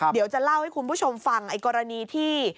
เดี๋ยวจะเล่าให้คุณผู้ชมฟังไอ้กรณีที่